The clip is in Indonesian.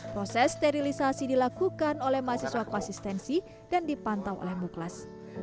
proses sterilisasi dilakukan oleh mahasiswa konsistensi dan dipantau oleh muklas